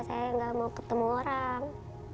saya nggak mau ketemu orang